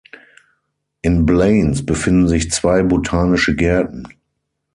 In Blanes befinden sich zwei botanische Gärten.